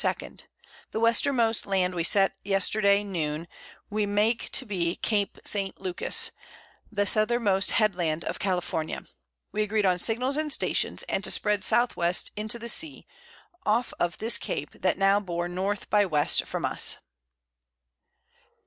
2._ The Westermost Land we set yesterday Noon, we make to be Cape St. Lucas, the Southermost Head land of California. We agreed on Signals and Stations; and to spread S.W. into the See, off of this Cape that now bore N. by W. from us.